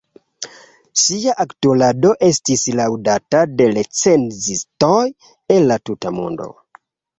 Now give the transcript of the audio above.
Ŝia aktorado estis laŭdata de recenzistoj el la tuta mondo.